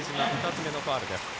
２つめのファウルです。